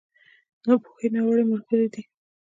ناپوهي، ناوړه ملګری دی.